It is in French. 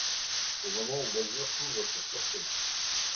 Au moment où l’azur t’ouvre son pur chemin